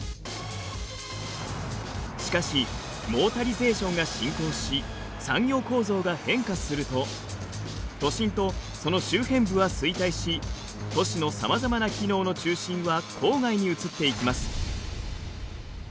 しかしモータリゼーションが進行し産業構造が変化すると都心とその周辺部は衰退し都市のさまざまな機能の中心は郊外に移っていきます。